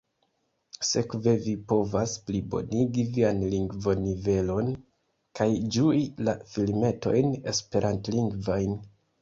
Sekve vi povas plibonigi vian lingvonivelon kaj ĝui la filmetojn esperantlingvajn.